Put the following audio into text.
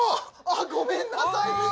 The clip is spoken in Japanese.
ごめんなさい